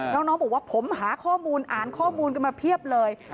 น้องบอกว่าผมหาข้อมูลอ่านข้อมูลกันมาเพียบเลย